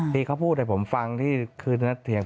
ที่เขาพูดให้ผมฟังที่คืนนั้นเถียง